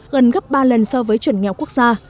gần gấp ba lần so với chuẩn nghèo quốc gia